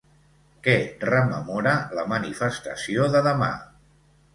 Què rememora la manifestació de demà?